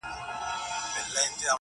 د هغه نثر له نورو څخه بېل رنګ لري تل،